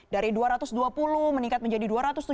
dari dua ratus dua puluh meningkat menjadi dua ratus tujuh puluh